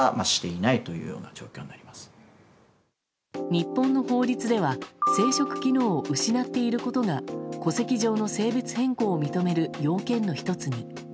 日本の法律では生殖機能を失っていることが戸籍上の性別変更を認める要件の１つに。